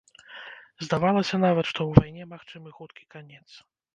Здавалася нават, што ў вайне магчымы хуткі канец.